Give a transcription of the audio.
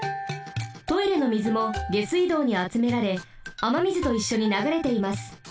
トイレの水も下水道にあつめられあま水といっしょにながれています。